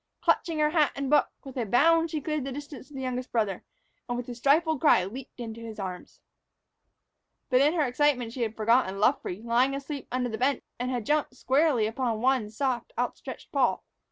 Clutching her hat and book, with a bound she cleared the distance to the youngest brother, and, with a stifled cry, leaped into his arms. But in her excitement she had forgotten Luffree, lying asleep under the bench, and had jumped squarely upon one soft, outstretched paw.